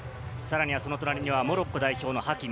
隣にはモロッコ代表のハキミ。